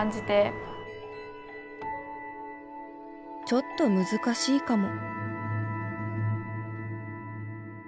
ちょっと難しいかも。